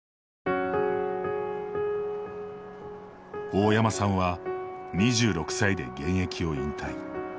大山さんは２６歳で現役を引退。